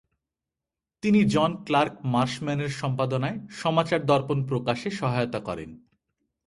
তিনি John Clark মার্শম্যানের সম্পাদনায় সমাচার দর্পণ প্রকাশে সহায়তা করেন।